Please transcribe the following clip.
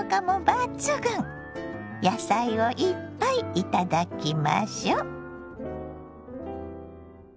野菜をいっぱいいただきましょ。